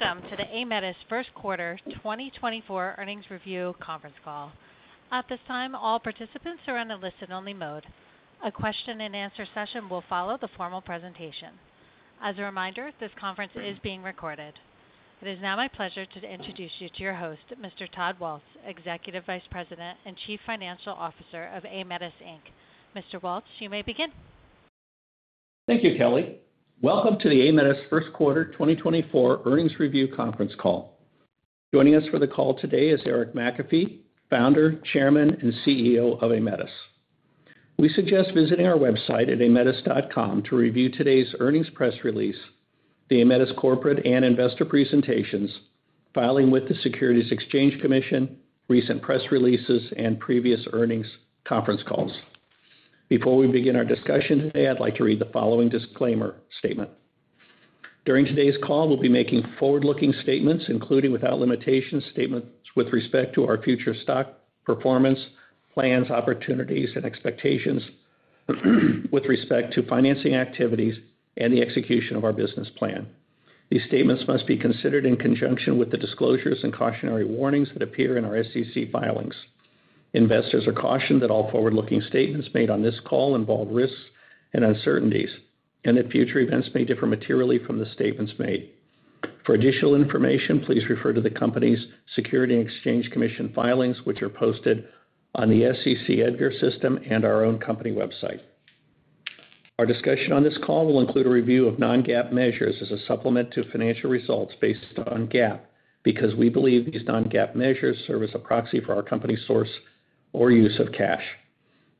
Welcome to the Aemetis first quarter 2024 earnings review conference call. At this time, all participants are in a listen-only mode. A question-and-answer session will follow the formal presentation. As a reminder, this conference is being recorded. It is now my pleasure to introduce you to your host, Mr. Todd Waltz, Executive Vice President and Chief Financial Officer of Aemetis, Inc. Mr. Waltz, you may begin. Thank you, Kelly. Welcome to the Aemetis first quarter 2024 earnings review conference call. Joining us for the call today is Eric McAfee, Founder, Chairman, and CEO of Aemetis. We suggest visiting our website at aemetis.com to review today's earnings press release, the Aemetis corporate and investor presentations, filings with the Securities and Exchange Commission, recent press releases, and previous earnings conference calls. Before we begin our discussion today, I'd like to read the following disclaimer statement. During today's call, we'll be making forward-looking statements, including without limitations, statements with respect to our future stock performance, plans, opportunities, and expectations with respect to financing activities and the execution of our business plan. These statements must be considered in conjunction with the disclosures and cautionary warnings that appear in our SEC filings. Investors are cautioned that all forward-looking statements made on this call involve risks and uncertainties, and that future events may differ materially from the statements made. For additional information, please refer to the company's Securities and Exchange Commission filings, which are posted on the SEC EDGAR system and our own company website. Our discussion on this call will include a review of non-GAAP measures as a supplement to financial results based on GAAP because we believe these non-GAAP measures serve as a proxy for our company's source or use of cash.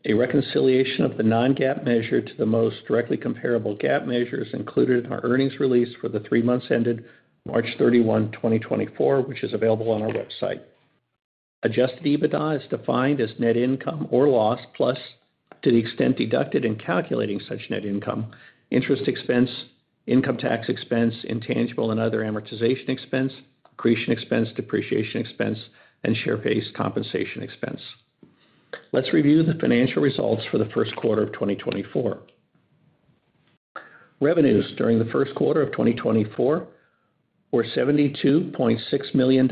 A reconciliation of the non-GAAP measure to the most directly comparable GAAP measures included in our earnings release for the three months ended March 31, 2024, which is available on our website. Adjusted EBITDA is defined as net income or loss plus to the extent deducted in calculating such net income, interest expense, income tax expense, intangible and other amortization expense, accretion expense, depreciation expense, and share-based compensation expense. Let's review the financial results for the first quarter of 2024. Revenues during the first quarter of 2024 were $72.6 million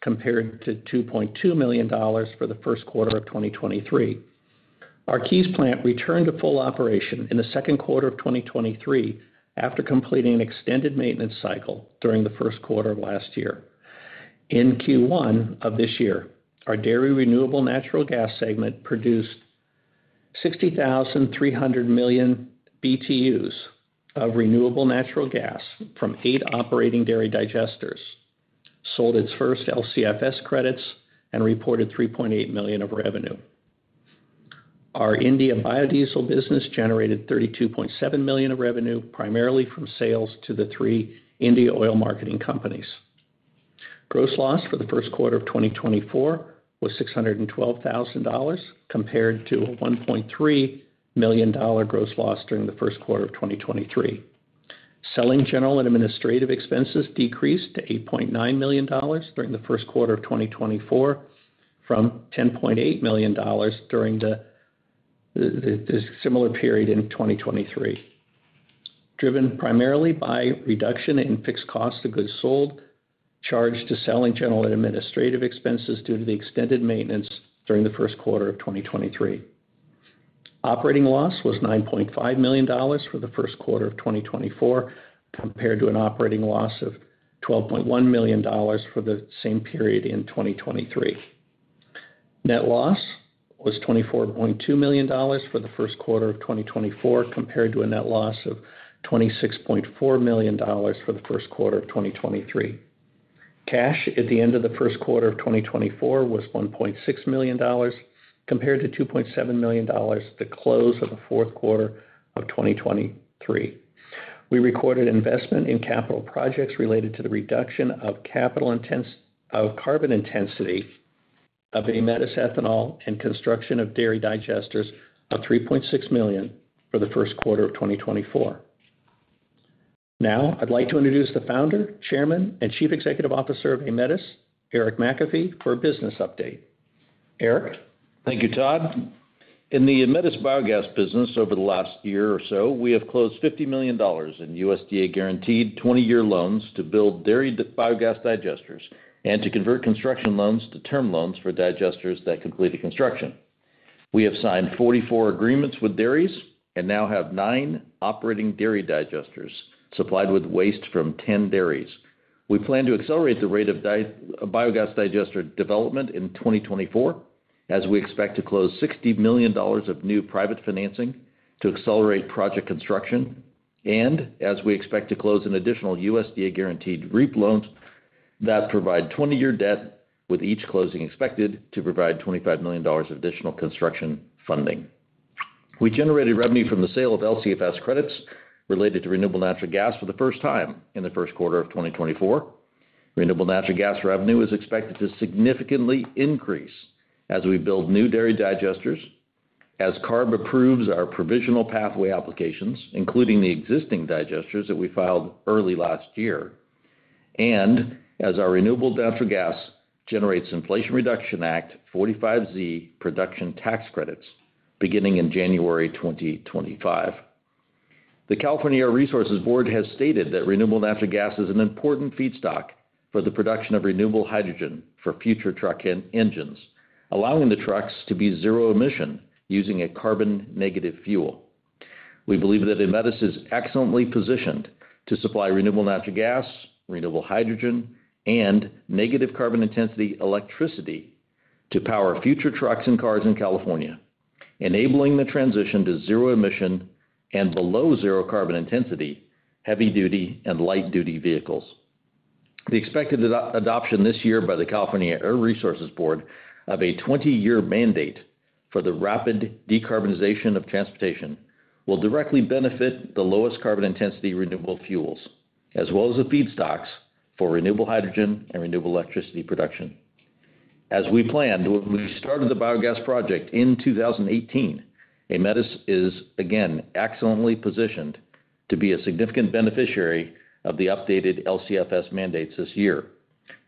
compared to $2.2 million for the first quarter of 2023. Our Keyes plant returned to full operation in the second quarter of 2023 after completing an extended maintenance cycle during the first quarter of last year. In Q1 of this year, our dairy renewable natural gas segment produced 60,300 million BTUs of renewable natural gas from eight operating dairy digesters, sold its first LCFS credits, and reported $3.8 million of revenue. Our India biodiesel business generated $32.7 million of revenue, primarily from sales to the three India oil marketing companies. Gross loss for the first quarter of 2024 was $612,000 compared to a $1.3 million gross loss during the first quarter of 2023. Selling, general and administrative expenses decreased to $8.9 million during the first quarter of 2024 from $10.8 million during the similar period in 2023, driven primarily by reduction in fixed costs of goods sold charged to selling, general and administrative expenses due to the extended maintenance during the first quarter of 2023. Operating loss was $9.5 million for the first quarter of 2024 compared to an operating loss of $12.1 million for the same period in 2023. Net loss was $24.2 million for the first quarter of 2024 compared to a net loss of $26.4 million for the first quarter of 2023. Cash at the end of the first quarter of 2024 was $1.6 million compared to $2.7 million at the close of the fourth quarter of 2023. We recorded investment in capital projects related to the reduction of carbon intensity of Aemetis ethanol and construction of dairy digesters of $3.6 million for the first quarter of 2024. Now, I'd like to introduce the Founder, chairman, and Chief Executive Officer of Aemetis, Eric McAfee, for a business update. Eric. Thank you, Todd. In the Aemetis biogas business, over the last year or so, we have closed $50 million in USDA-guaranteed 20-year loans to build dairy biogas digesters and to convert construction loans to term loans for digesters that complete a construction. We have signed 44 agreements with dairies and now have nine operating dairy digesters supplied with waste from ten dairies. We plan to accelerate the rate of biogas digester development in 2024 as we expect to close $60 million of new private financing to accelerate project construction and as we expect to close an additional USDA-guaranteed REAP loans that provide 20-year debt with each closing expected to provide $25 million of additional construction funding. We generated revenue from the sale of LCFS credits related to renewable natural gas for the first time in the first quarter of 2024. Renewable natural gas revenue is expected to significantly increase as we build new dairy digesters, as CARB approves our provisional pathway applications, including the existing digesters that we filed early last year, and as our renewable natural gas generates Inflation Reduction Act 45Z production tax credits beginning in January 2025. The California Air Resources Board has stated that renewable natural gas is an important feedstock for the production of renewable hydrogen for future truck engines, allowing the trucks to be zero emission using a carbon-negative fuel. We believe that Aemetis is excellently positioned to supply renewable natural gas, renewable hydrogen, and negative carbon intensity electricity to power future trucks and cars in California, enabling the transition to zero emission and below zero carbon intensity heavy-duty and light-duty vehicles. The expected adoption this year by the California Air Resources Board of a 20-year mandate for the rapid decarbonization of transportation will directly benefit the lowest carbon intensity renewable fuels as well as the feedstocks for renewable hydrogen and renewable electricity production. As we planned, when we started the biogas project in 2018, Aemetis is, again, excellently positioned to be a significant beneficiary of the updated LCFS mandates this year.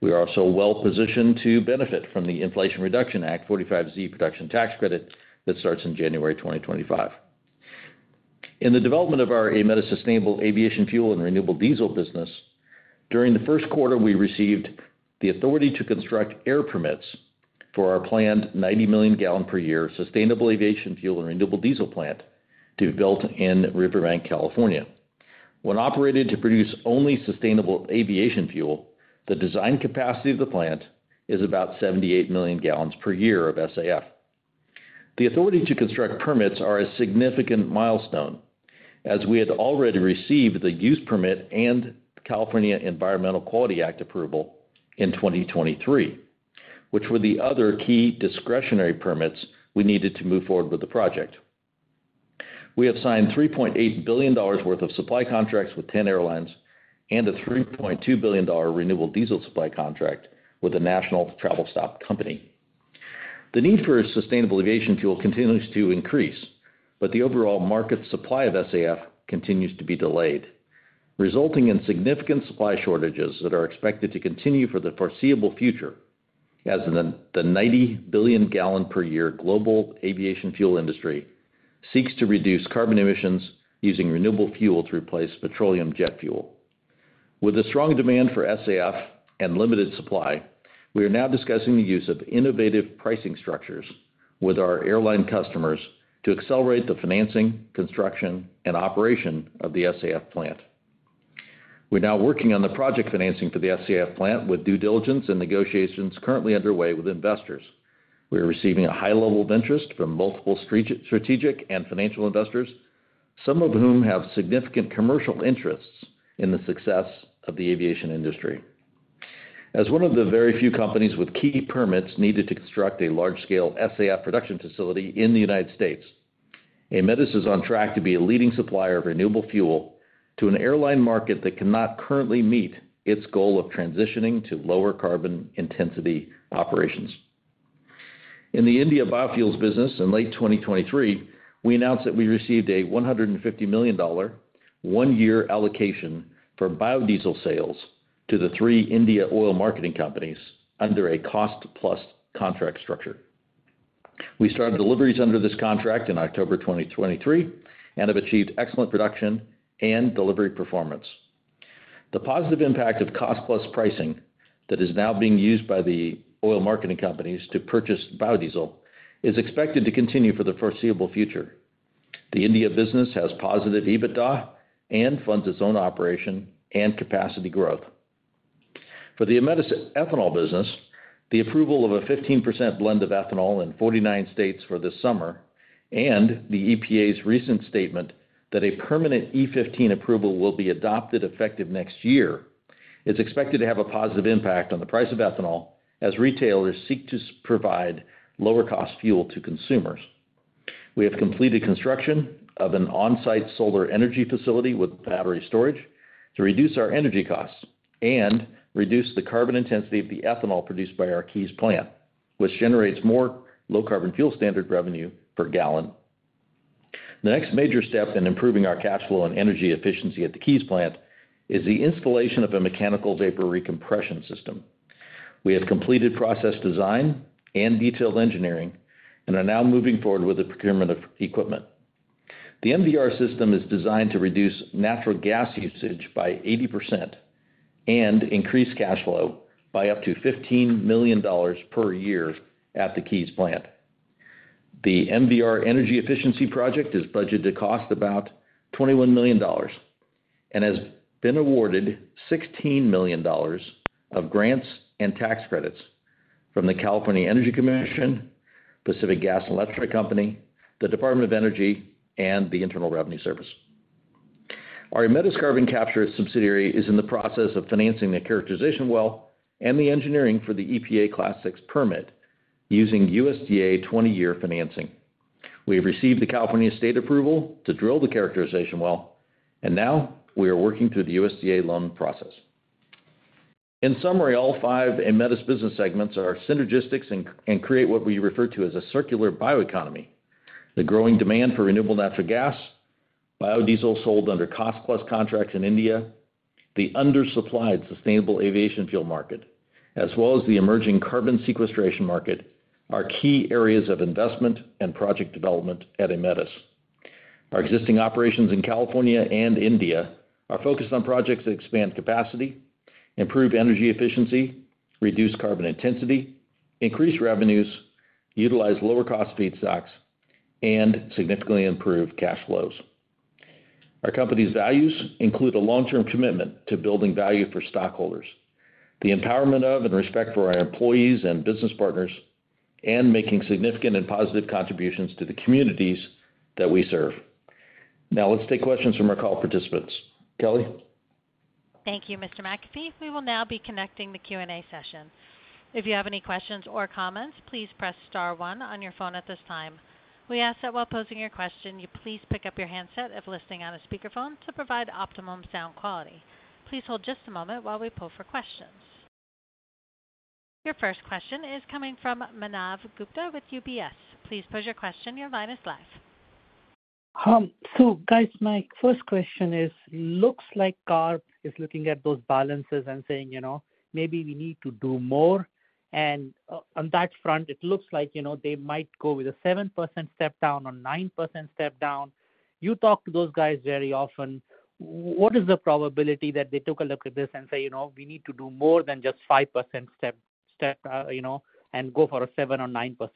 We are also well positioned to benefit from the Inflation Reduction Act 45Z production tax credit that starts in January 2025. In the development of our Aemetis sustainable aviation fuel and renewable diesel business, during the first quarter, we received the authority to construct air permits for our planned 90 million gal per year sustainable aviation fuel and renewable diesel plant to be built in Riverbank, California. When operated to produce only sustainable aviation fuel, the design capacity of the plant is about 78 million gal per year of SAF. The Authority to Construct permits is a significant milestone as we had already received the Use Permit and California Environmental Quality Act approval in 2023, which were the other key discretionary permits we needed to move forward with the project. We have signed $3.8 billion worth of supply contracts with 10 airlines and a $3.2 billion renewable diesel supply contract with a national travel stop company. The need for sustainable aviation fuel continues to increase, but the overall market supply of SAF continues to be delayed, resulting in significant supply shortages that are expected to continue for the foreseeable future as the 90 billion gal per year global aviation fuel industry seeks to reduce carbon emissions using renewable fuel to replace petroleum jet fuel. With a strong demand for SAF and limited supply, we are now discussing the use of innovative pricing structures with our airline customers to accelerate the financing, construction, and operation of the SAF plant. We're now working on the project financing for the SAF plant with due diligence and negotiations currently underway with investors. We are receiving a high level of interest from multiple strategic and financial investors, some of whom have significant commercial interests in the success of the aviation industry. As one of the very few companies with key permits needed to construct a large-scale SAF production facility in the United States, Aemetis is on track to be a leading supplier of renewable fuel to an airline market that cannot currently meet its goal of transitioning to lower carbon intensity operations. In the India biofuels business, in late 2023, we announced that we received a $150 million one-year allocation for biodiesel sales to the three India oil marketing companies under a cost-plus contract structure. We started deliveries under this contract in October 2023 and have achieved excellent production and delivery performance. The positive impact of cost-plus pricing that is now being used by the oil marketing companies to purchase biodiesel is expected to continue for the foreseeable future. The India business has positive EBITDA and funds its own operation and capacity growth. For the Aemetis ethanol business, the approval of a 15% blend of ethanol in 49 states for this summer and the EPA's recent statement that a permanent E15 approval will be adopted effective next year is expected to have a positive impact on the price of ethanol as retailers seek to provide lower-cost fuel to consumers. We have completed construction of an on-site solar energy facility with battery storage to reduce our energy costs and reduce the carbon intensity of the ethanol produced by our Keyes plant, which generates more Low Carbon Fuel Standard revenue per gallon. The next major step in improving our cash flow and energy efficiency at the Keyes plant is the installation of a mechanical vapor recompression system. We have completed process design and detailed engineering and are now moving forward with the procurement of equipment. The MVR system is designed to reduce natural gas usage by 80% and increase cash flow by up to $15 million per year at the Keyes plant. The MVR energy efficiency project is budgeted to cost about $21 million and has been awarded $16 million of grants and tax credits from the California Energy Commission, Pacific Gas and Electric Company, the Department of Energy, and the Internal Revenue Service. Our Aemetis Carbon Capture subsidiary is in the process of financing the characterization well and the engineering for the EPA Class VI permit using USDA 20-year financing. We have received the California state approval to drill the characterization well, and now we are working through the USDA loan process. In summary, all five Aemetis business segments are synergistic and create what we refer to as a circular bioeconomy. The growing demand for renewable natural gas, biodiesel sold under cost-plus contracts in India, the undersupplied sustainable aviation fuel market, as well as the emerging carbon sequestration market are key areas of investment and project development at Aemetis. Our existing operations in California and India are focused on projects that expand capacity, improve energy efficiency, reduce carbon intensity, increase revenues, utilize lower-cost feedstocks, and significantly improve cash flows. Our company's values include a long-term commitment to building value for stockholders, the empowerment of and respect for our employees and business partners, and making significant and positive contributions to the communities that we serve. Now, let's take questions from our call participants. Kelly. Thank you, Mr. McAfee. We will now be connecting the Q&A session. If you have any questions or comments, please press star one on your phone at this time. We ask that while posing your question, you please pick up your handset if listening on a speakerphone to provide optimum sound quality. Please hold just a moment while we pull for questions. Your first question is coming from Manav Gupta with UBS. Please pose your question. Your line is live. So, guys, my first question is, looks like CARB is looking at those balances and saying, you know, maybe we need to do more. And on that front, it looks like, you know, they might go with a 7% step down or 9% step down. You talk to those guys very often. What is the probability that they took a look at this and say, you know, we need to do more than just 5% step, you know, and go for a 7% or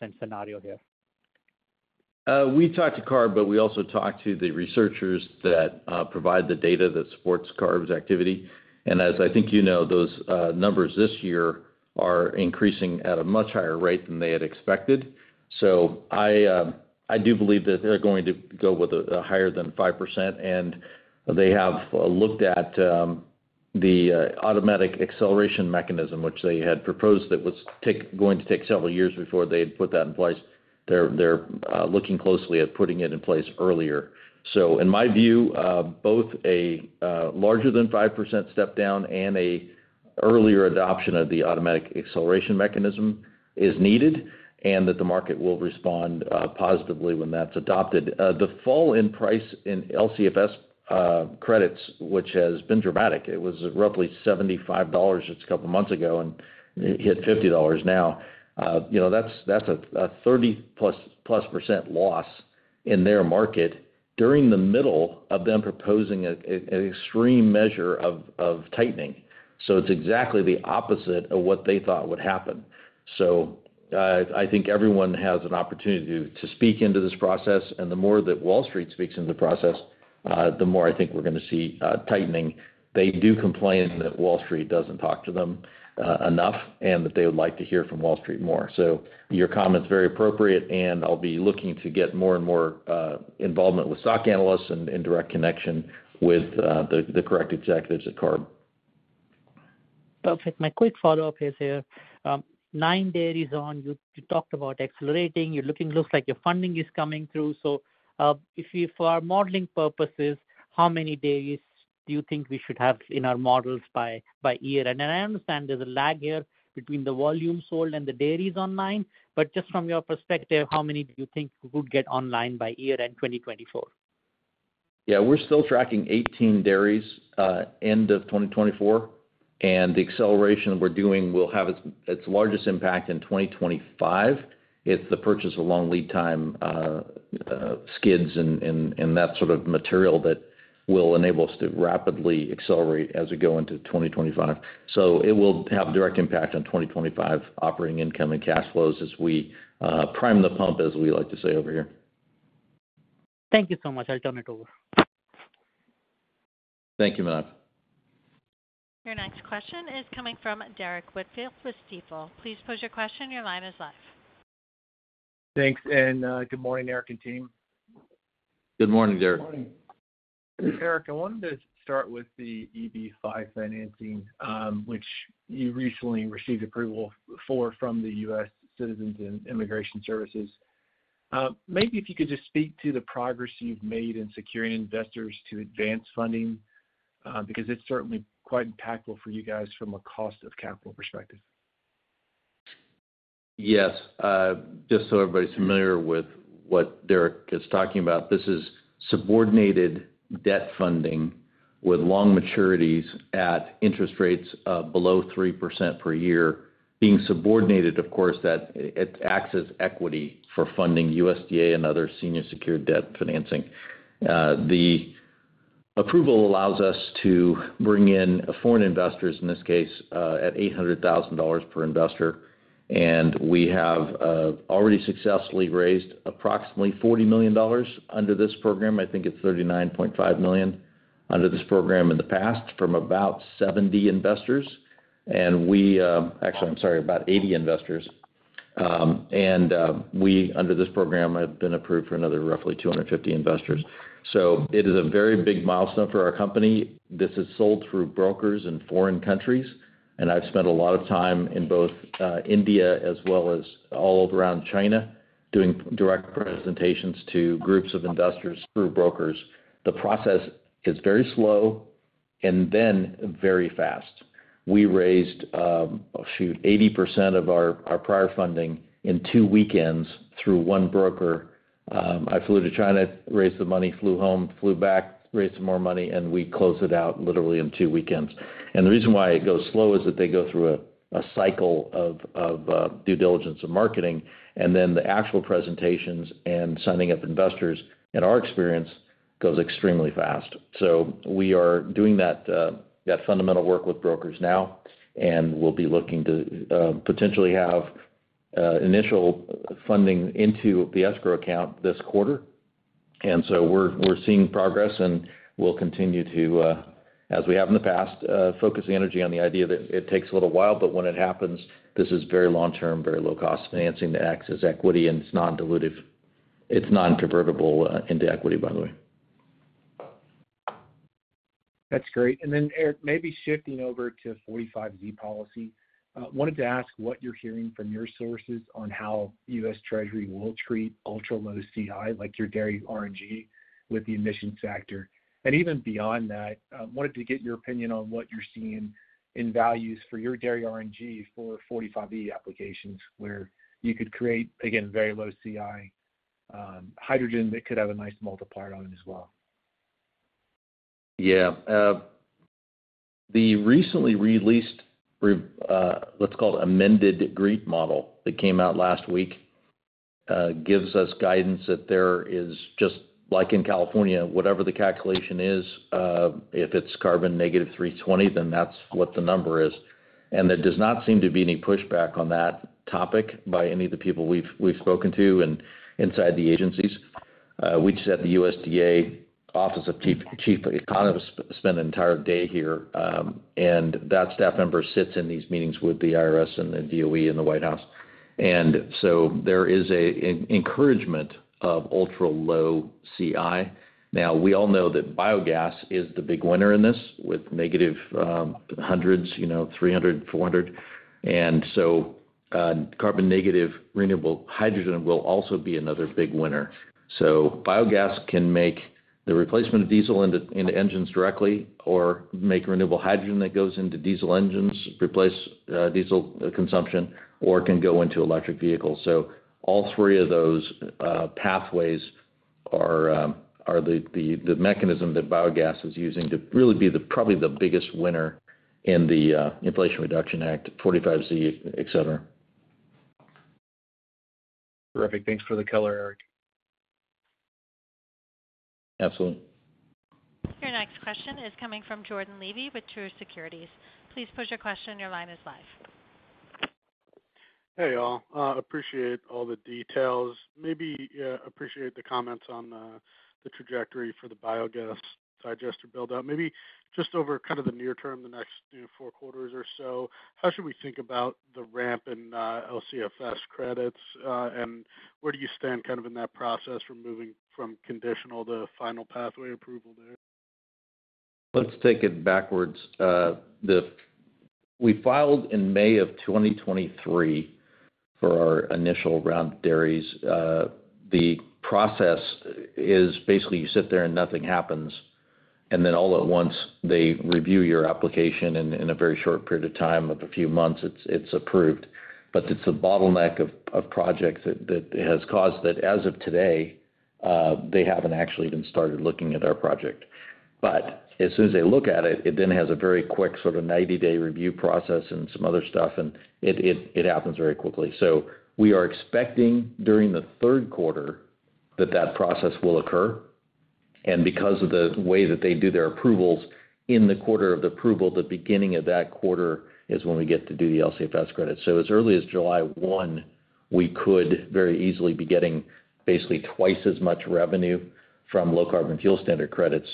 9% scenario here? We talked to CARB, but we also talked to the researchers that provide the data that supports CARB's activity. As I think you know, those numbers this year are increasing at a much higher rate than they had expected. I do believe that they're going to go with a higher than 5%. They have looked at the automatic acceleration mechanism, which they had proposed that was going to take several years before they'd put that in place. They're looking closely at putting it in place earlier. In my view, both a larger than 5% step down and an earlier adoption of the automatic acceleration mechanism is needed and that the market will respond positively when that's adopted. The fall in the price of LCFS credits, which has been dramatic, it was roughly $75 just a couple of months ago and hit $50 now. You know, that's a 30%+ loss in their market during the middle of them proposing an extreme measure of tightening. So it's exactly the opposite of what they thought would happen. So I think everyone has an opportunity to speak into this process. And the more that Wall Street speaks into the process, the more I think we're going to see tightening. They do complain that Wall Street doesn't talk to them enough and that they would like to hear from Wall Street more. So your comment's very appropriate, and I'll be looking to get more and more involvement with stock analysts and direct connection with the correct executives at CARB. Perfect. My quick follow-up is here. nine dairies on. You talked about accelerating. You're looking looks like your funding is coming through. So if for our modeling purposes, how many dairies do you think we should have in our models by year? And I understand there's a lag here between the volume sold and the dairies online. But just from your perspective, how many do you think we would get online by year-end 2024? Yeah, we're still tracking 18 dairies end of 2024. And the acceleration we're doing will have its largest impact in 2025. It's the purchase of long lead time skids and that sort of material that will enable us to rapidly accelerate as we go into 2025. So it will have direct impact on 2025 operating income and cash flows as we prime the pump, as we like to say over here. Thank you so much. I'll turn it over. Thank you, Manav. Your next question is coming from Derrick Whitfield with Stifel. Please pose your question. Your line is live. Thanks. Good morning, Aemetis team. Good morning, Derrick. Good morning. Eric, I wanted to start with the EB-5 financing, which you recently received approval for from the U.S. Citizenship and Immigration Services. Maybe if you could just speak to the progress you've made in securing investors to advance funding, because it's certainly quite impactful for you guys from a cost of capital perspective. Yes. Just so everybody's familiar with what Derek is talking about, this is subordinated debt funding with long maturities at interest rates below 3% per year being subordinated, of course, that it acts as equity for funding USDA and other senior secured debt financing. The approval allows us to bring in foreign investors, in this case, at $800,000 per investor. And we have already successfully raised approximately $40 million under this program. I think it's $39.5 million under this program in the past from about 70 investors. And we actually, I'm sorry, about 80 investors. And we under this program have been approved for another roughly 250 investors. So it is a very big milestone for our company. This is sold through brokers in foreign countries. And I've spent a lot of time in both India as well as all over around China doing direct presentations to groups of investors through brokers. The process is very slow. And then very fast. We raised, shoot, 80% of our prior funding in two weekends through one broker. I flew to China, raised the money, flew home, flew back, raised some more money, and we closed it out literally in two weekends. And the reason why it goes slow is that they go through a cycle of due diligence and marketing, and then the actual presentations and signing up investors, in our experience, goes extremely fast. So we are doing that fundamental work with brokers now, and we'll be looking to potentially have initial funding into the escrow account this quarter. And so we're seeing progress and we'll continue to, as we have in the past, focus energy on the idea that it takes a little while, but when it happens, this is very long-term, very low-cost financing that acts as equity and it's non-dilutive. It's non-convertible into equity, by the way. That's great. And then, Eric, maybe shifting over to 45Z policy. Wanted to ask what you're hearing from your sources on how U.S. Treasury will treat ultra-low CI, like your dairy RNG, with the emissions factor. And even beyond that, wanted to get your opinion on what you're seeing in values for your dairy RNG for 45V applications where you could create, again, very low CI hydrogen that could have a nice multiplier on it as well. Yeah. The recently released, let's call it, amended GREET model that came out last week gives us guidance that there is just, like in California, whatever the calculation is, if it's carbon negative 320, then that's what the number is. There does not seem to be any pushback on that topic by any of the people we've spoken to and inside the agencies. We just had the USDA Office of Chief Economists spend an entire day here, and that staff member sits in these meetings with the IRS and the DOE and the White House. So there is an encouragement of ultra-low CI. Now, we all know that biogas is the big winner in this with negative hundreds, 300, 400. Carbon negative renewable hydrogen will also be another big winner. So biogas can make the replacement of diesel into engines directly or make renewable hydrogen that goes into diesel engines, replace diesel consumption, or can go into electric vehicles. So all three of those pathways are the mechanism that biogas is using to really be probably the biggest winner in the Inflation Reduction Act, 45Z, etc. Terrific. Thanks for the color, Eric. Absolutely. Your next question is coming from Jordan Levy with Truist Securities. Please pose your question. Your line is live. Hey, y'all. Appreciate all the details. Maybe appreciate the comments on the trajectory for the biogas digester buildup. Maybe just over kind of the near term, the next four quarters or so, how should we think about the ramp in LCFS credits? And where do you stand kind of in that process from moving from conditional to final pathway approval there? Let's take it backwards. We filed in May of 2023 for our initial round of dairies. The process is basically you sit there and nothing happens. And then all at once, they review your application and in a very short period of time of a few months, it's approved. But it's the bottleneck of projects that has caused that. As of today, they haven't actually even started looking at our project. But as soon as they look at it, it then has a very quick sort of 90-day review process and some other stuff, and it happens very quickly. So we are expecting during the third quarter that that process will occur. And because of the way that they do their approvals, in the quarter of the approval, the beginning of that quarter is when we get to do the LCFS credits. So as early as July 1, we could very easily be getting basically twice as much revenue from Low Carbon Fuel Standard credits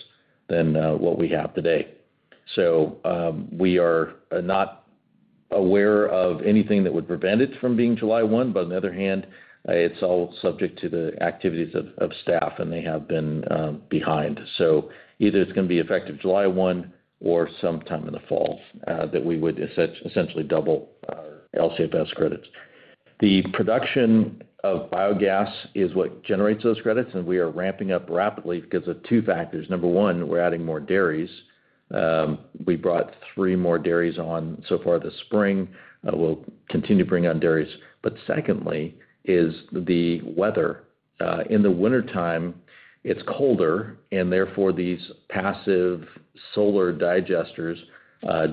than what we have today. So we are not aware of anything that would prevent it from being July 1, but on the other hand, it's all subject to the activities of staff and they have been behind. So either it's going to be effective July 1 or sometime in the fall that we would essentially double our LCFS credits. The production of biogas is what generates those credits and we are ramping up rapidly because of two factors. Number one, we're adding more dairies. We brought three more dairies on so far this spring. We'll continue to bring on dairies. But secondly, is the weather. In the wintertime, it's colder and therefore these passive solar digesters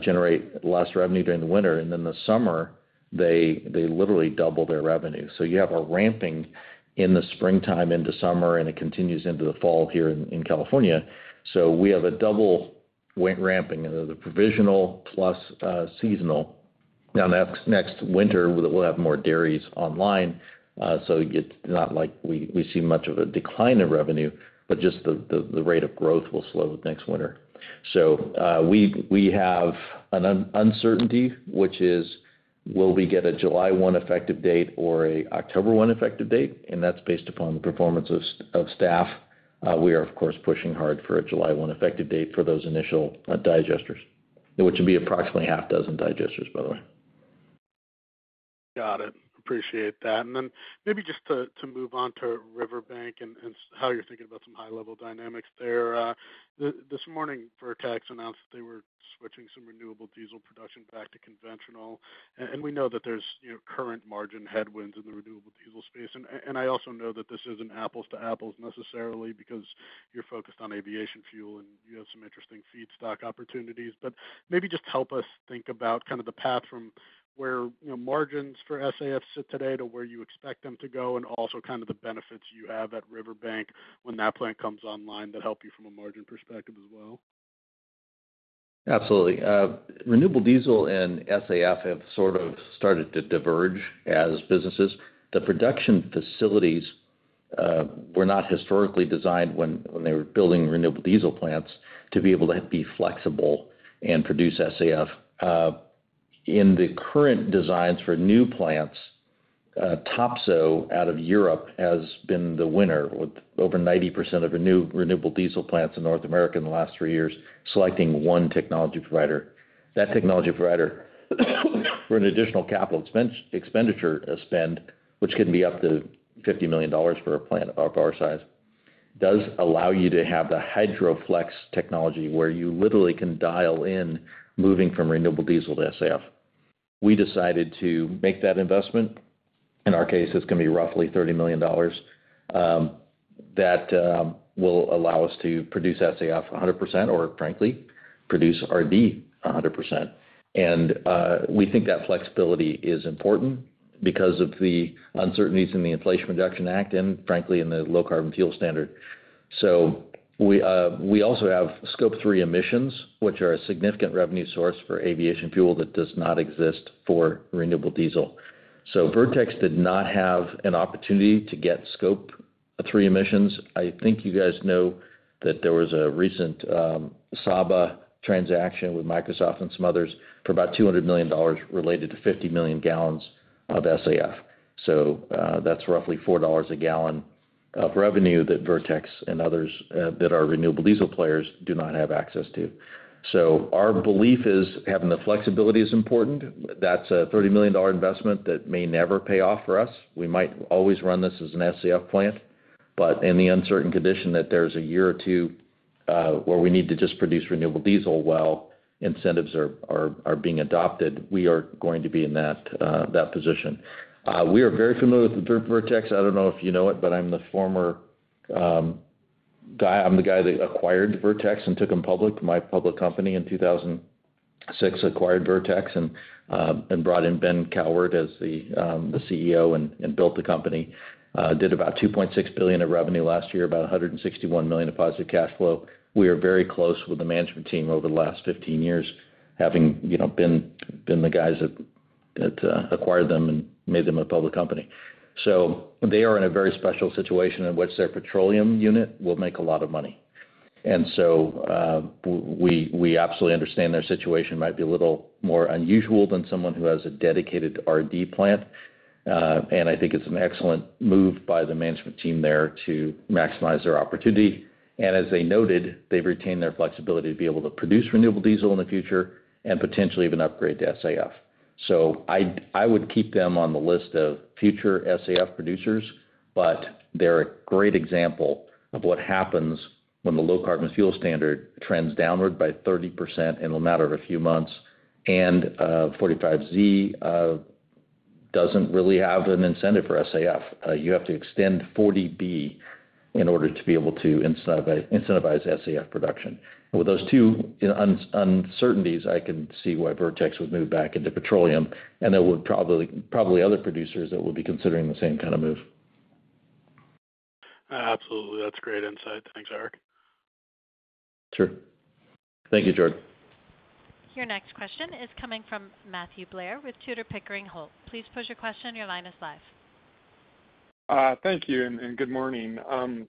generate less revenue during the winter and then the summer, they literally double their revenue. So you have a ramping in the springtime into summer and it continues into the fall here in California. So we have a double ramping, the provisional plus seasonal. Now next winter that we'll have more dairies online. So it's not like we see much of a decline in revenue, but just the rate of growth will slow next winter. So we have an uncertainty, which is will we get a July 1 effective date or an October 1 effective date? And that's based upon the performance of staff. We are, of course, pushing hard for a July 1 effective date for those initial digesters. Which would be approximately half a dozen digesters, by the way. Got it. Appreciate that. And then maybe just to move on to Riverbank and how you're thinking about some high-level dynamics there. This morning, Vertex announced that they were switching some renewable diesel production back to conventional. And we know that there's current margin headwinds in the renewable diesel space. And I also know that this isn't apples to apples necessarily because you're focused on aviation fuel and you have some interesting feedstock opportunities. But maybe just help us think about kind of the path from where margins for SAF sit today to where you expect them to go and also kind of the benefits you have at Riverbank when that plant comes online that help you from a margin perspective as well. Absolutely. Renewable diesel and SAF have sort of started to diverge as businesses. The production facilities were not historically designed when they were building renewable diesel plants to be able to be flexible and produce SAF. In the current designs for new plants, Topsoe out of Europe has been the winner with over 90% of renewable diesel plants in North America in the last three years, selecting one technology provider. That technology provider for an additional capital expenditure spend, which can be up to $50 million for a plant of our size, does allow you to have the HydroFlex technology where you literally can dial in moving from renewable diesel to SAF. We decided to make that investment. In our case, it's going to be roughly $30 million. That will allow us to produce SAF 100% or frankly, produce RD 100%. We think that flexibility is important because of the uncertainties in the Inflation Reduction Act and frankly, in the Low Carbon Fuel Standard. So we also have Scope 3 emissions, which are a significant revenue source for aviation fuel that does not exist for renewable diesel. So Vertex did not have an opportunity to get Scope 3 emissions. I think you guys know that there was a recent SABA transaction with Microsoft and some others for about $200 million related to 50 million gallons of SAF. So that's roughly $4 a gallon of revenue that Vertex and others that are renewable diesel players do not have access to. So our belief is having the flexibility is important. That's a $30 million investment that may never pay off for us. We might always run this as an SAF plant. But in the uncertain condition that there's a year or two where we need to just produce renewable diesel while incentives are being adopted, we are going to be in that position. We are very familiar with Vertex. I don't know if you know it, but I'm the former guy. I'm the guy that acquired Vertex and took them public. My public company in 2006 acquired Vertex and brought in Ben Coward as the CEO and built the company. Did about $2.6 billion of revenue last year, about $161 million of positive cash flow. We are very close with the management team over the last 15 years, having been the guys that acquired them and made them a public company. So they are in a very special situation in which their petroleum unit will make a lot of money. So we absolutely understand their situation might be a little more unusual than someone who has a dedicated RD plant. I think it's an excellent move by the management team there to maximize their opportunity. As they noted, they've retained their flexibility to be able to produce renewable diesel in the future and potentially even upgrade to SAF. So I would keep them on the list of future SAF producers, but they're a great example of what happens when the Low Carbon Fuel Standard trends downward by 30% in a matter of a few months. And 45Z doesn't really have an incentive for SAF. You have to extend 40B in order to be able to incentivize SAF production. With those two uncertainties, I can see why Vertex would move back into petroleum and there would probably other producers that would be considering the same kind of move. Absolutely. That's great insight. Thanks, Eric. Sure. Thank you, Jordan. Your next question is coming from Matthew Blair with Tudor Pickering Holt & Co. Please pose your question. Your line is live. Thank you and good morning.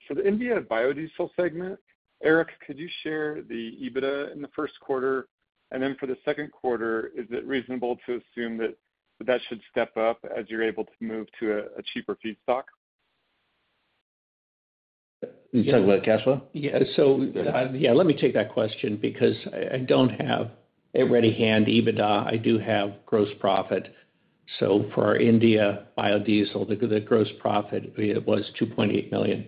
For the India biodiesel segment, Eric, could you share the EBITDA in the first quarter? And then for the second quarter, is it reasonable to assume that that should step up as you're able to move to a cheaper feedstock? You're talking about cash flow? Yeah. So yeah, let me take that question because I don't have it ready hand EBITDA. I do have gross profit. So for our India biodiesel, the gross profit was $2.8 million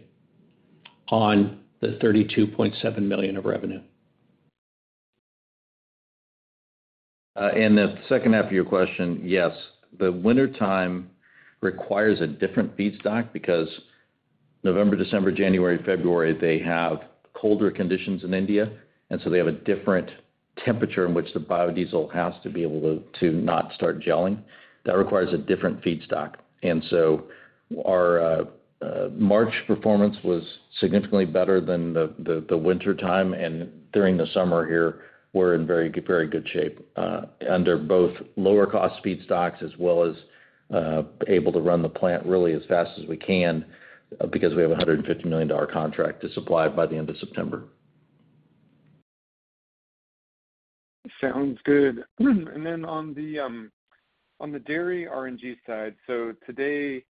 on the $32.7 million of revenue. The second half of your question, yes. The wintertime requires a different feedstock because November, December, January, February, they have colder conditions in India. And so they have a different temperature in which the biodiesel has to be able to not start gelling. That requires a different feedstock. And so our March performance was significantly better than the wintertime and during the summer here, we're in very, very good shape. Under both lower cost feedstocks as well as able to run the plant really as fast as we can because we have a $150 million contract to supply by the end of September. Sounds good. And then on the dairy RNG side, so today,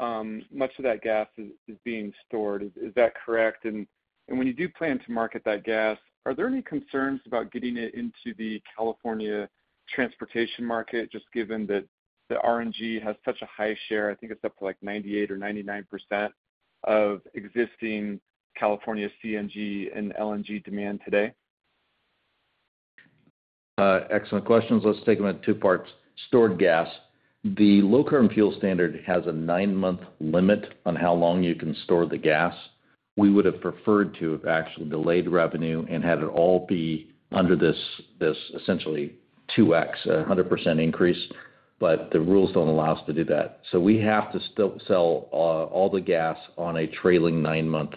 much of that gas is being stored. Is that correct? And when you do plan to market that gas, are there any concerns about getting it into the California transportation market just given that the RNG has such a high share? I think it's up to like 98% or 99% of existing California CNG and LNG demand today. Excellent questions. Let's take them in two parts. Stored gas. The Low Carbon Fuel Standard has a nine-month limit on how long you can store the gas. We would have preferred to have actually delayed revenue and had it all be under this essentially 2x, 100% increase. But the rules don't allow us to do that. So we have to still sell all the gas on a trailing nine-month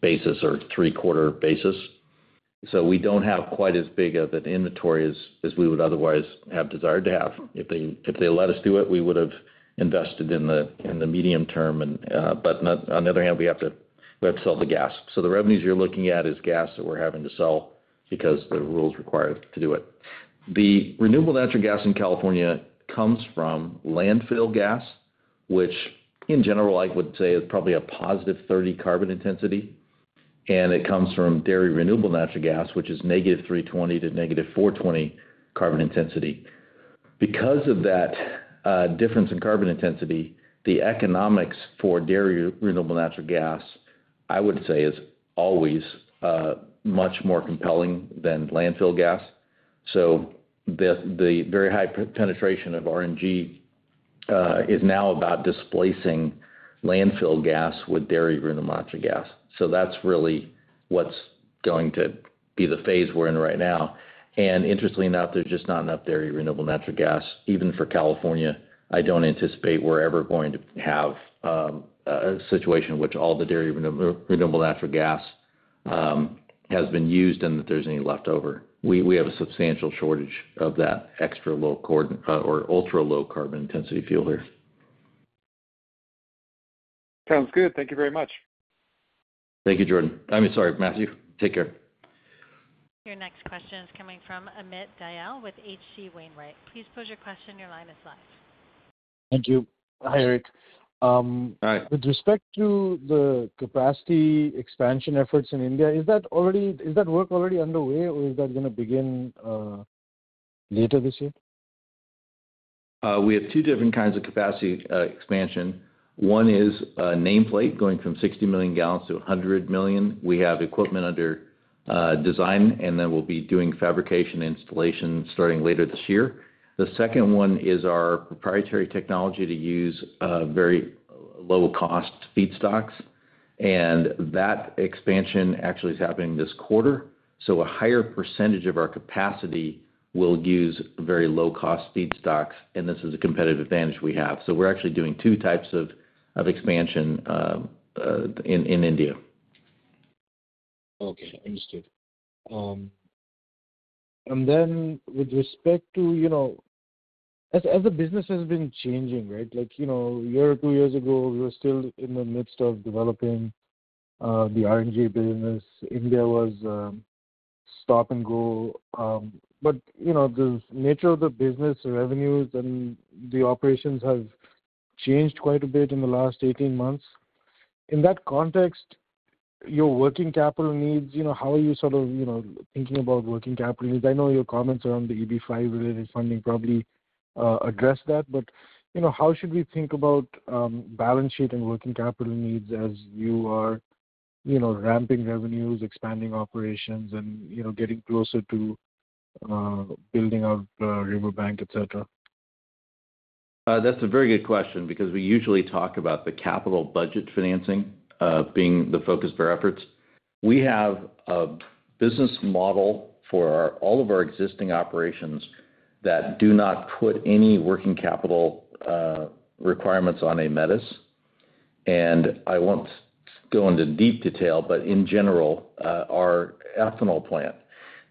basis or three-quarter basis. So we don't have quite as big of an inventory as we would otherwise have desired to have. If they let us do it, we would have invested in the medium term. But on the other hand, we have to sell the gas. So the revenues you're looking at is gas that we're having to sell because the rules require to do it. The Renewable Natural Gas in California comes from landfill gas. Which, in general, I would say, is probably a +30 carbon intensity. And it comes from dairy renewable natural gas, which is -320 to -420 carbon intensity. Because of that difference in carbon intensity, the economics for dairy renewable natural gas, I would say, is always much more compelling than landfill gas. So the very high penetration of R&G is now about displacing landfill gas with dairy renewable natural gas. So that's really what's going to be the phase we're in right now. And interestingly enough, there's just not enough dairy renewable natural gas. Even for California, I don't anticipate we're ever going to have a situation in which all the dairy renewable natural gas has been used and that there's any leftover. We have a substantial shortage of that extra low or ultra low carbon intensity fuel here. Sounds good. Thank you very much. Thank you, Jordan. I mean, sorry, Matthew. Take care. Your next question is coming from Amit Dayal with H.C. Wainwright. Please pose your question. Your line is live. Thank you. Hi, Eric. With respect to the capacity expansion efforts in India, is that work already underway or is that going to begin later this year? We have two different kinds of capacity expansion. One is a nameplate going from 60 million gal to 100 million. We have equipment under design and then we'll be doing fabrication installation starting later this year. The second one is our proprietary technology to use very low-cost feedstocks. And that expansion actually is happening this quarter. So a higher percentage of our capacity will use very low-cost feedstocks and this is a competitive advantage we have. So we're actually doing two types of expansion in India. Okay. Understood. And then with respect to as the business has been changing, right? Like a year or two years ago, we were still in the midst of developing the RNG business. India was stop and go. But the nature of the business revenues and the operations have changed quite a bit in the last 18 months. In that context, your working capital needs, how are you sort of thinking about working capital needs? I know your comments around the EB-5-related funding probably address that, but how should we think about balance sheet and working capital needs as you are ramping revenues, expanding operations, and getting closer to building out Riverbank, etc.? That's a very good question because we usually talk about the capital budget financing being the focus of our efforts. We have a business model for all of our existing operations that do not put any working capital requirements on Aemetis. And I won't go into deep detail, but in general, our ethanol plant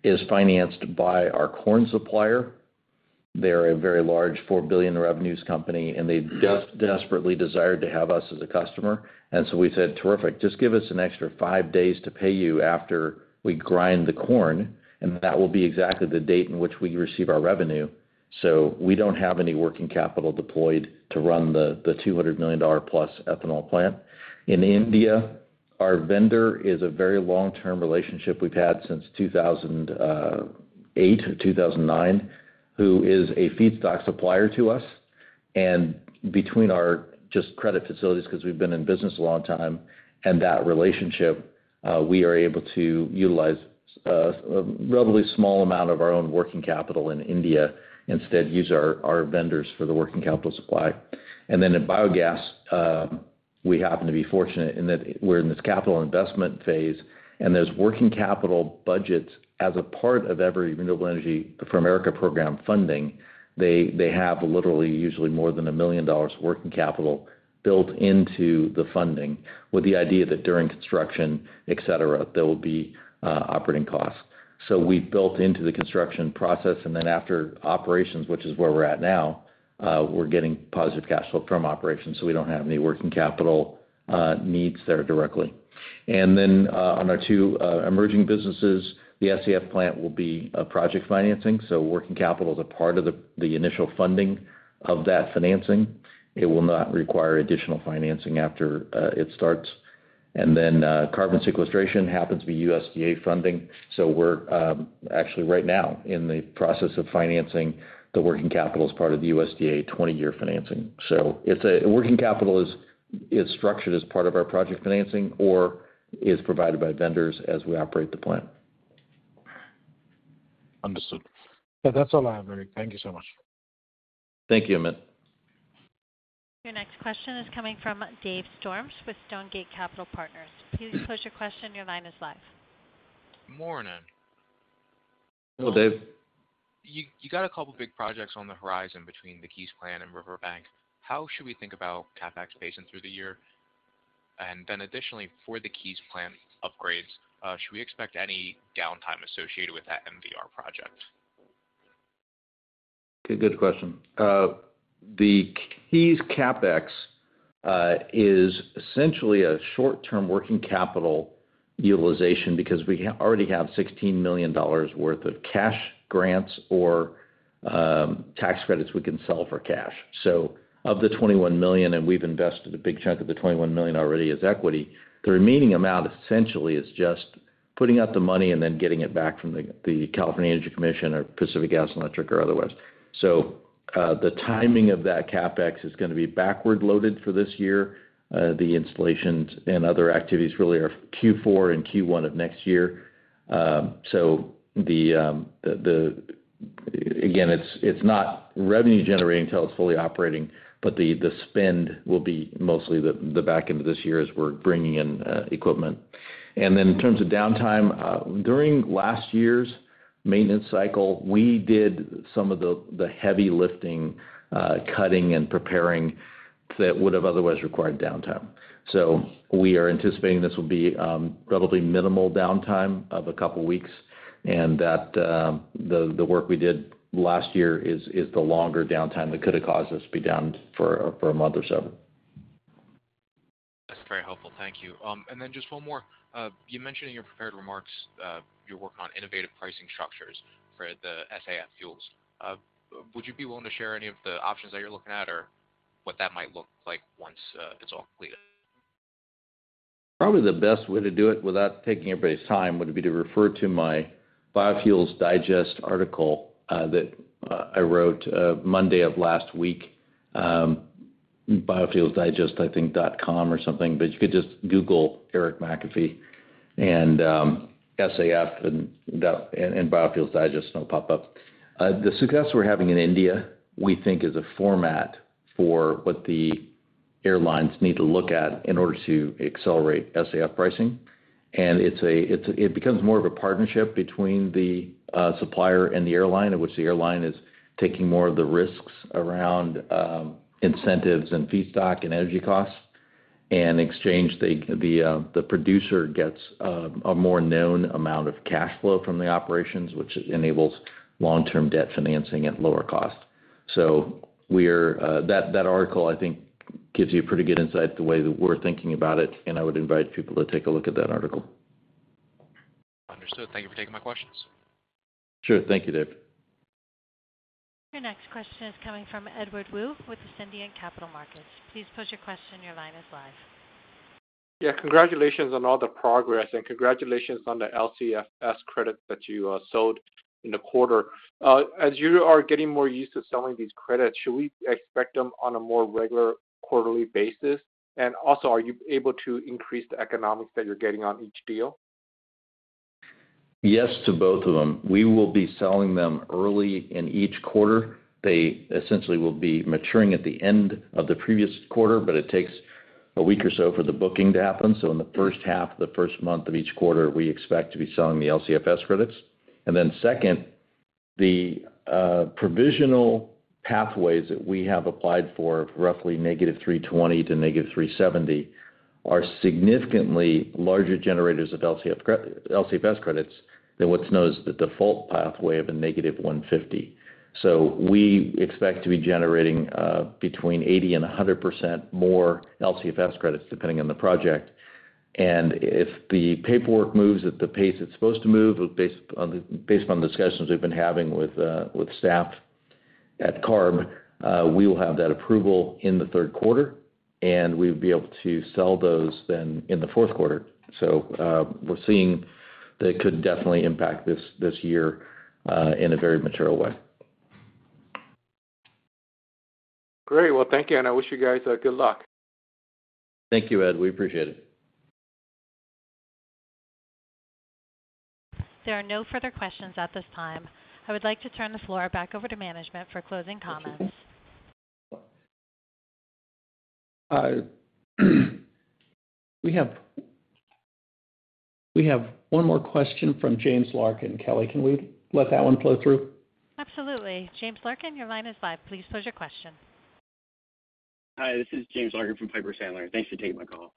is financed by our corn supplier. They're a very large $4 billion revenues company and they desperately desired to have us as a customer. And so we said, "Terrific. Just give us an extra five days to pay you after we grind the corn and that will be exactly the date in which we receive our revenue." So we don't have any working capital deployed to run the $200 million-plus ethanol plant. In India, our vendor is a very long-term relationship we've had since 2008, 2009, who is a feedstock supplier to us. Between our joint credit facilities because we've been in business a long time and that relationship, we are able to utilize a relatively small amount of our own working capital in India, instead use our vendors for the working capital supply. In biogas, we happen to be fortunate in that we're in this capital investment phase and there's working capital budgets as a part of every Renewable Energy for America Program funding. They have literally usually more than $1 million of working capital built into the funding with the idea that during construction, etc., there will be operating costs. We've built into the construction process and then after operations, which is where we're at now, we're getting positive cash flow from operations. We don't have any working capital needs there directly. And then on our two emerging businesses, the SAF plant will be project financing. So working capital is a part of the initial funding of that financing. It will not require additional financing after it starts. And then carbon sequestration happens to be USDA funding. So we're actually right now in the process of financing the working capital as part of the USDA 20-year financing. So working capital is structured as part of our project financing or is provided by vendors as we operate the plant. Understood. Yeah, that's all I have, Eric. Thank you so much. Thank you, Amit. Your next question is coming from Dave Storms with Stonegate Capital Partners. Please pose your question. Your line is live. Morning. Hello, Dave. You got a couple of big projects on the horizon between the Keyes plant and Riverbank. How should we think about CapEx pacing through the year? And then additionally, for the Keyes plant upgrades, should we expect any downtime associated with that MVR project? Good question. The Keyes CapEx is essentially a short-term working capital utilization because we already have $16 million worth of cash grants or tax credits we can sell for cash. So of the $21 million, and we've invested a big chunk of the $21 million already as equity, the remaining amount essentially is just putting out the money and then getting it back from the California Energy Commission or Pacific Gas and Electric or otherwise. So the timing of that CapEx is going to be backward loaded for this year. The installations and other activities really are Q4 and Q1 of next year. So again, it's not revenue generating until it's fully operating, but the spend will be mostly the back end of this year as we're bringing in equipment. Then in terms of downtime, during last year's maintenance cycle, we did some of the heavy lifting, cutting, and preparing that would have otherwise required downtime. We are anticipating this will be relatively minimal downtime of a couple of weeks. The work we did last year is the longer downtime that could have caused us to be down for a month or so. That's very helpful. Thank you. And then just one more. You mentioned in your prepared remarks your work on innovative pricing structures for the SAF fuels. Would you be willing to share any of the options that you're looking at or what that might look like once it's all completed? Probably the best way to do it without taking everybody's time would be to refer to my Biofuels Digest article that I wrote Monday of last week. BiofuelsDigest, I think, dot com or something, but you could just Google Eric McAfee and SAF and Biofuels Digest and it'll pop up. The success we're having in India, we think, is a format for what the airlines need to look at in order to accelerate SAF pricing. And it becomes more of a partnership between the supplier and the airline, in which the airline is taking more of the risks around incentives and feedstock and energy costs. And in exchange, the producer gets a more known amount of cash flow from the operations, which enables long-term debt financing at lower cost. So that article, I think, gives you a pretty good insight into the way that we're thinking about it. I would invite people to take a look at that article. Understood. Thank you for taking my questions. Sure. Thank you, Dave. Your next question is coming from Edward Woo with Ascendiant Capital Markets. Please pose your question. Your line is live. Yeah, congratulations on all the progress and congratulations on the LCFS credit that you sold in the quarter. As you are getting more used to selling these credits, should we expect them on a more regular quarterly basis? And also, are you able to increase the economics that you're getting on each deal? Yes to both of them. We will be selling them early in each quarter. They essentially will be maturing at the end of the previous quarter, but it takes a week or so for the booking to happen. So in the first half of the first month of each quarter, we expect to be selling the LCFS credits. And then second, the provisional pathways that we have applied for of roughly -320 to -370 are significantly larger generators of LCFS credits than what's known as the default pathway of a -150. So we expect to be generating between 80% and 100% more LCFS credits depending on the project. And if the paperwork moves at the pace it's supposed to move based on the discussions we've been having with staff at CARB, we will have that approval in the third quarter. We'd be able to sell those then in the fourth quarter. We're seeing that could definitely impact this year in a very material way. Great. Well, thank you. I wish you guys good luck. Thank you, Ed. We appreciate it. There are no further questions at this time. I would like to turn the floor back over to management for closing comments. We have one more question from James Larkin. Kelly, can we let that one flow through? Absolutely. James Larkin, your line is live. Please pose your question. Hi, this is James Larkin from Piper Sandler. Thanks for taking my call.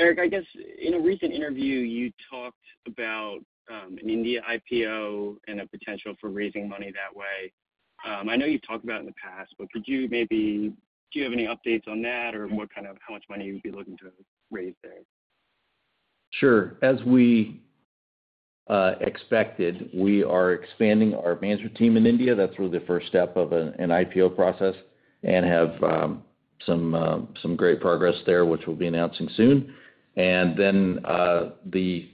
Eric, I guess in a recent interview, you talked about an India IPO and a potential for raising money that way. I know you've talked about it in the past, but could you maybe do you have any updates on that or how much money you'd be looking to raise there? Sure. As we expected, we are expanding our management team in India. That's really the first step of an IPO process and have some great progress there, which we'll be announcing soon. And then the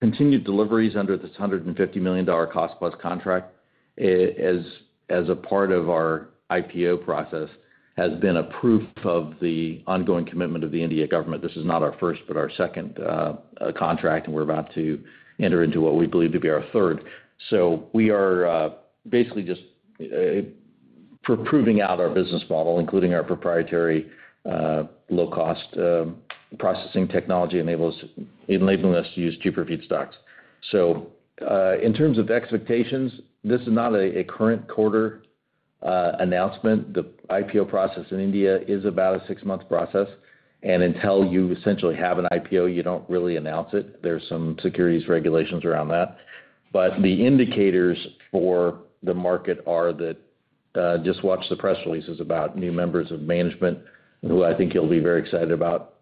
continued deliveries under this $150 million cost-plus contract as a part of our IPO process has been a proof of the ongoing commitment of the Indian government. This is not our first, but our second contract and we're about to enter into what we believe to be our third. So we are basically just proving out our business model, including our proprietary low-cost processing technology enabling us to use cheaper feedstocks. So in terms of expectations, this is not a current quarter announcement. The IPO process in India is about a six-month process. And until you essentially have an IPO, you don't really announce it. There's some securities regulations around that. But the indicators for the market are that just watch the press releases about new members of management who I think you'll be very excited about.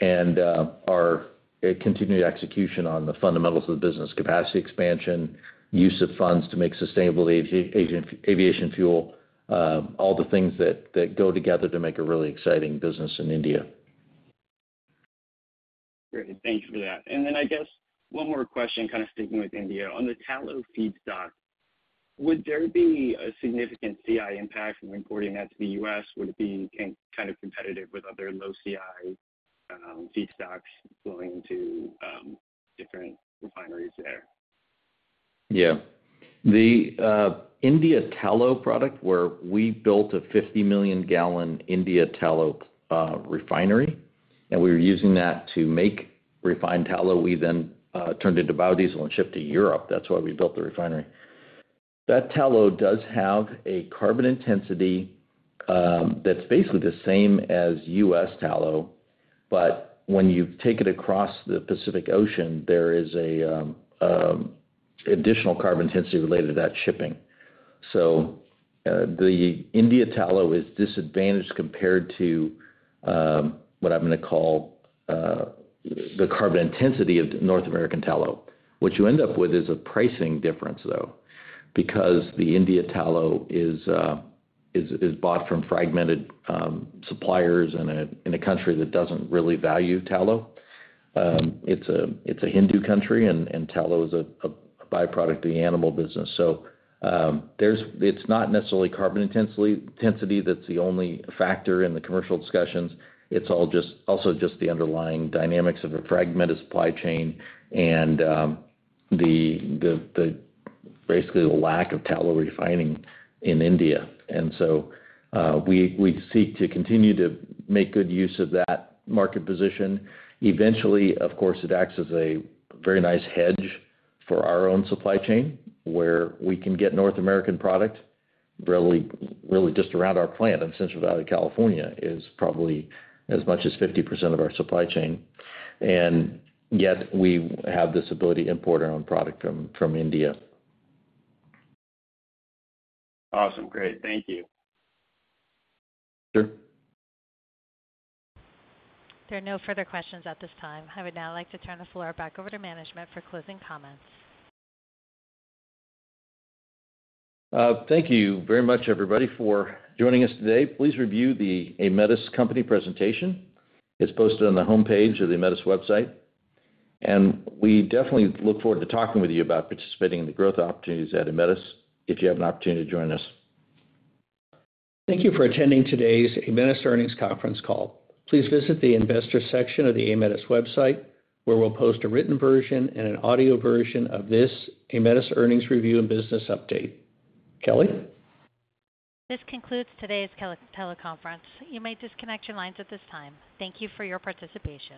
And our continued execution on the fundamentals of the business, capacity expansion, use of funds to make sustainable aviation fuel, all the things that go together to make a really exciting business in India. Great. Thank you for that. And then I guess one more question kind of sticking with India. On the tallow feedstock, would there be a significant CI impact from importing that to the U.S.? Would it be kind of competitive with other low CI feedstocks flowing into different refineries there? Yeah. The India tallow product where we built a 50 million gallon India tallow refinery. We were using that to make refined tallow. We then turned it to biodiesel and shipped to Europe. That's why we built the refinery. That tallow does have a carbon intensity that's basically the same as U.S. tallow. But when you take it across the Pacific Ocean, there is an additional carbon intensity related to that shipping. So the India tallow is disadvantaged compared to what I'm going to call the carbon intensity of North American tallow. What you end up with is a pricing difference, though. Because the India tallow is bought from fragmented suppliers in a country that doesn't really value tallow. It's a Hindu country and tallow is a byproduct of the animal business. So it's not necessarily carbon intensity that's the only factor in the commercial discussions. It's also just the underlying dynamics of a fragmented supply chain and basically the lack of tallow refining in India. And so we seek to continue to make good use of that market position. Eventually, of course, it acts as a very nice hedge for our own supply chain where we can get North American product really just around our plant in Central Valley, California is probably as much as 50% of our supply chain. And yet we have this ability to import our own product from India. Awesome. Great. Thank you. Sure. There are no further questions at this time. I would now like to turn the floor back over to management for closing comments. Thank you very much, everybody, for joining us today. Please review the Aemetis company presentation. It's posted on the homepage of the Aemetis website. And we definitely look forward to talking with you about participating in the growth opportunities at Aemetis if you have an opportunity to join us. Thank you for attending today's Aemetis earnings conference call. Please visit the investor section of the Aemetis website where we'll post a written version and an audio version of this Aemetis earnings review and business update. Kelly? This concludes today's teleconference. You may disconnect your lines at this time. Thank you for your participation.